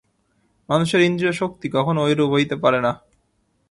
মানুষের ইন্দ্রিয়শক্তি কখনও ঐরূপ হইতে পারে না।